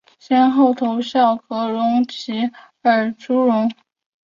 先后投效葛荣及尔朱荣。